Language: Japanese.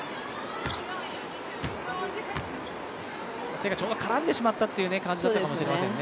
手がちょうど絡んでしまったという感じだったかもしれないですね。